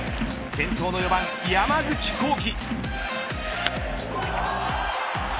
先頭の４番、山口航輝。